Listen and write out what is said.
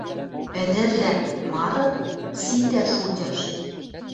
Ӹдӹрлӓн — мары? Ситӓ шутяш!